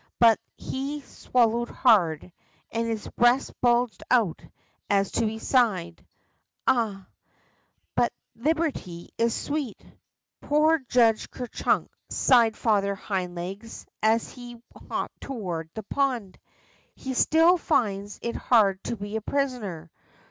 But he swallowed hard, and his breast bulged out, as he sighed: Ah, but liberty is sweet !" Poor Judge Ker Chunk," sighed Father Hind REJOICING AT THE MARSH 77 Legs, as lie hopped toward the pond, he still finds it hard to be a prisoner.